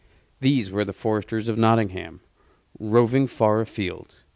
These were the foresters of Nottingham, roving far afield.